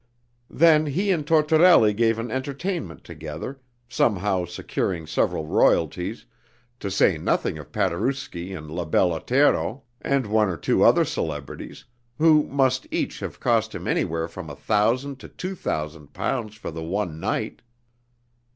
Then he and Tortorelli gave an entertainment together, somehow securing several royalties, to say nothing of Paderewski and La Belle Otero, and one or two other celebrities, who must each have cost him anywhere from a thousand to two thousand pounds for the one night.